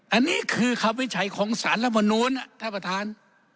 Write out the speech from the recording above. อันนี้คือคำวิจัยของสารรัฐมนูลท่านประธาน